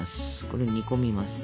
これを煮込みます。